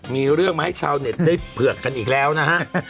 มีเรื่องมาให้ชาวเน็ตได้เผือกกันอีกแล้วนะฮะ